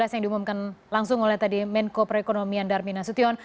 yang diumumkan langsung oleh tadi menko perekonomian darmin nasution